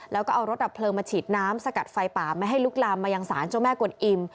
แล้วก็เอารถดับเพลิงมาฉีดน้ำสกัดไฟป่าไม่ให้ลุกลามมายังศาลเจ้าแม่กวนอิ่ม